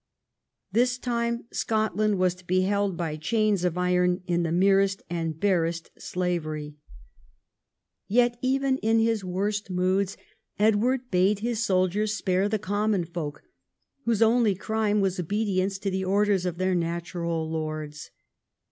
This time Scotland was to be held by chains of iron in the merest and barest slavery. Yet even in his 228 EDWARD I chap. worst moods Edward bade his soldiers spare the common folk, whose only crime was obedience to the orders of their natural lords.